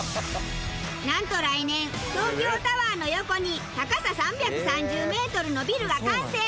なんと来年東京タワーの横に高さ３３０メートルのビルが完成！